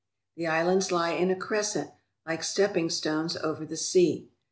The islands lie in a crescent, like stepping stones over the sea.